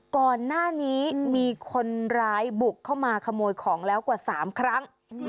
ก่อนหน้านี้มีคนร้ายบุกเข้ามาขโมยของแล้วกว่า๓ครั้ง